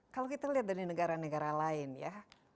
kalau kita lihat dari negara negara lain ya